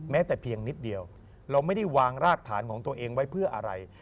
แต่เพียงนิดเดียวเราไม่ได้วางรากฐานของตัวเองไว้เพื่ออะไร